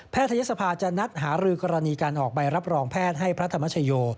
ทยศภาจะนัดหารือกรณีการออกใบรับรองแพทย์ให้พระธรรมชโย